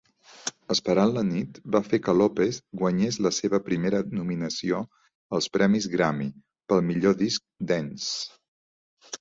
"Esperant la nit" va fer que Lopez guanyes la seva primera nominació als Premis Grammy, pel millor disc Dance.